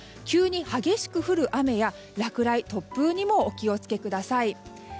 急に激しく降る雨や落雷、突風にもお気を付けください。